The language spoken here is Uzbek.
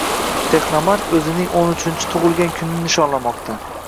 Texnomart o‘zining o‘n uchinchi “tug‘ilgan kun”ini nishonlamoqda